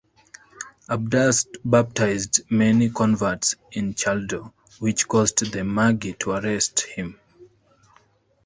Abdas baptized many converts in Chaldor, which caused the magi to arrest him.